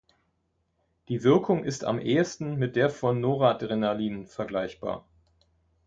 Die Wirkung ist am ehesten mit der von Noradrenalin vergleichbar.